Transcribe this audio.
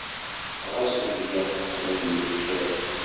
Ɣas ufgeɣ uqbel lefjer.